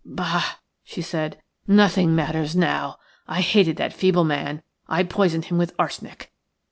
"Bah!" she said, "nothing matters now. I hated that feeble man. I poisoned him with arsenic.